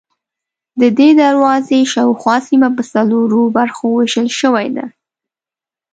ددې دروازې شاوخوا سیمه په څلورو برخو وېشل شوې ده.